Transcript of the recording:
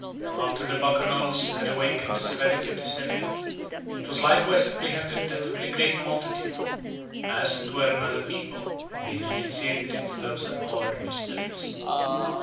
After the Bacchanals had awakened the severity of the senate, it was likewise apprehended that a very great multitude, as it were another people, had been initiated into those abhorred mysteries.